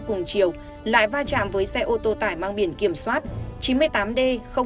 sau cùng chiều lại va chạm với xe ô tô tải mang biển kiểm soát chín mươi tám d một nghìn một trăm tám mươi hai